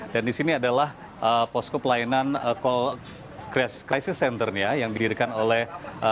dan di sini adalah posko pelayanan krisis center yang didirikan oleh